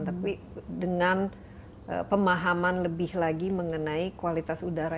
tapi dengan pemahaman lebih lagi mengenai kualitas udara